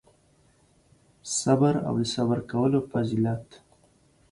صبر او د صبر کولو فضیلت